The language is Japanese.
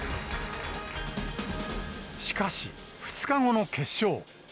しかし、２日後の決勝。